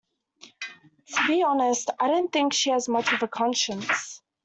To be honest, I don’t think she has much of a conscience.